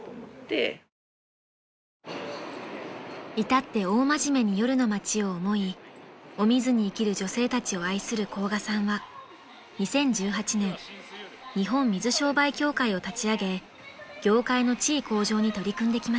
［至って大真面目に夜の街を思いお水に生きる女性たちを愛する甲賀さんは２０１８年日本水商売協会を立ち上げ業界の地位向上に取り組んできました］